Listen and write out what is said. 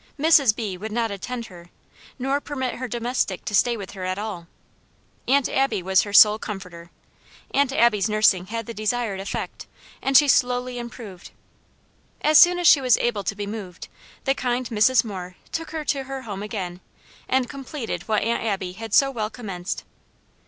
Mrs. B. would not attend her, nor permit her domestic to stay with her at all. Aunt Abby was her sole comforter. Aunt Abby's nursing had the desired effect, and she slowly improved. As soon as she was able to be moved, the kind Mrs. Moore took her to her home again, and completed what Aunt Abby had so well commenced.